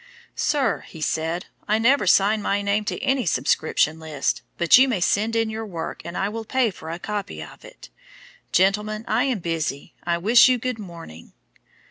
'Sir,' he said, 'I never sign my name to any subscription list, but you may send in your work and I will pay for a copy of it. Gentlemen, I am busy. I wish you good morning.'